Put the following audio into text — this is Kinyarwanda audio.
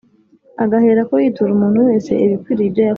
agaherako yitura umuntu wese ibikwiriye ibyo yakoze.